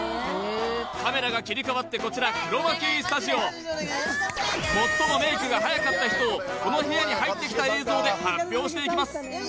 カメラが切り替わってこちら最もメイクがはやかった人をこの部屋に入ってきた映像で発表していきます